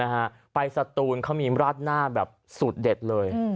นะฮะไปสตูนเขามีราดหน้าแบบสูตรเด็ดเลย